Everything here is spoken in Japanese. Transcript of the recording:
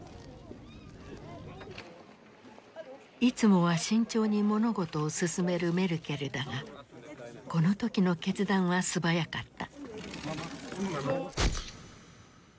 いつもは慎重に物事を進めるメルケルだがこの時の決断は素早かった。